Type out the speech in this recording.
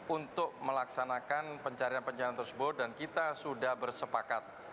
untuk melaksanakan pencarian pencarian tersebut dan kita sudah bersepakat